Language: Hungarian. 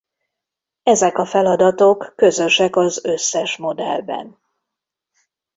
Ezek a feladatok közösek az összes modellben